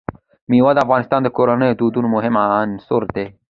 مېوې د افغان کورنیو د دودونو مهم عنصر دی.